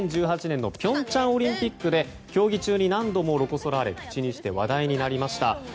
２０１８年の平昌オリンピックで競技中に何度もロコ・ソラーレが口にして話題になりました。